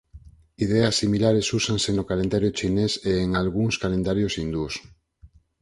Ideas similares úsanse no calendario chinés e en algúns calendarios hindús.